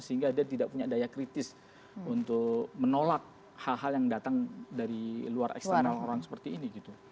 sehingga dia tidak punya daya kritis untuk menolak hal hal yang datang dari luar eksternal orang seperti ini gitu